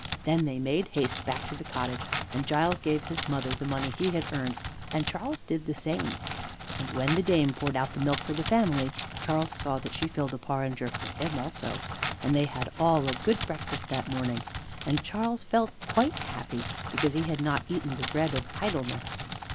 Then they made haste back to the cottage, and Giles gave his mother the money he had earned, and Charles did the same, and when the dame poured out the milk for the family Charles saw that she filled a porringer for him also, and they had all a good breakfast that morning, and Charles felt quite happy because he had not eaten the bread of idleness.